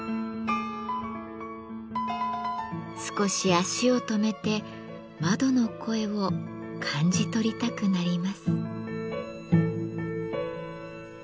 少し足を止めて窓の声を感じ取りたくなります。